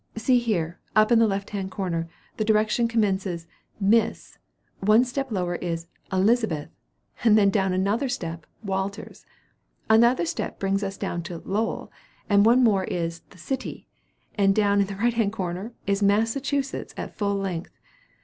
See here: up in the left hand corner, the direction commences, 'Miss;' one step lower is 'Elizabeth;' then down another step, 'Walters.' Another step brings us down to 'Lowell;' one more is the 'City;' and down in the right hand corner is 'Massachusetts,' at full length.